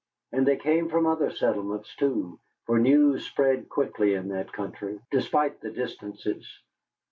And they came from other settlements, too, for news spread quickly in that country, despite the distances.